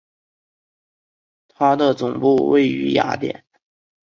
它的总部位于雅典。